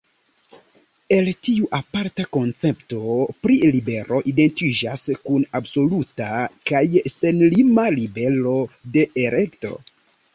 El tiu aparta koncepto pri libero identiĝas kun absoluta kaj senlima “libero de elekto”.